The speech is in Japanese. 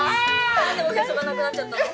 なんでおへそがなくなっちゃったの？